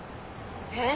えっ？